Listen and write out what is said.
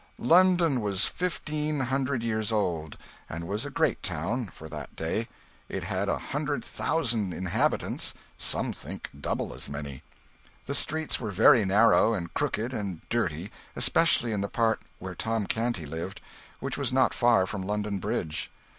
London was fifteen hundred years old, and was a great town for that day. It had a hundred thousand inhabitants some think double as many. The streets were very narrow, and crooked, and dirty, especially in the part where Tom Canty lived, which was not far from London Bridge.